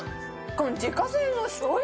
自家製のしょうゆ